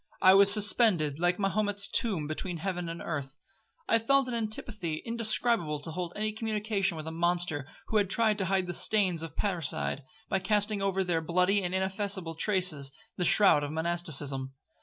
I was suspended like Mahomet's tomb between heaven and earth. I felt an antipathy indescribable to hold any communication with a monster who had tried to hide the stains of parricide, by casting over their bloody and ineffaceable traces the shroud of monasticism.